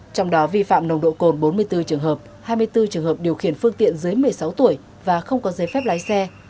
trong đó vi phạm nồng độ cồn bốn mươi bốn trường hợp hai mươi bốn trường hợp điều khiển phương tiện dưới một mươi sáu tuổi và không có giấy phép lái xe